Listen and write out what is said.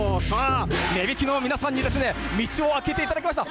根曳の皆さんに道をあけていただきました。